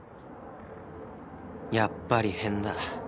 やっぱり変だ